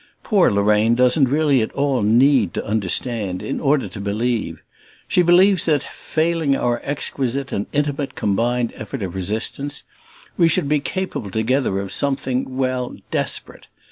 Poor Lorraine doesn't really at all need to understand in order to believe; she believes that, failing our exquisite and intimate combined effort of resistance, we should be capable together of something well, "desperate."